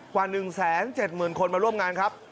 กว่า๑๗๐๐๐คนมาร่วมงานครับ